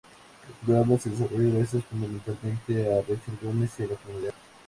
El programa se desarrolla gracias fundamentalmente a Richard Gomes y la comunidad.